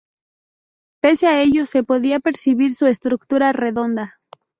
Pese a ello se podía percibir su estructura redonda.